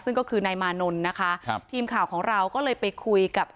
ซึ่งก็คือนายมานนท์นะคะครับทีมข่าวของเราก็เลยไปคุยกับ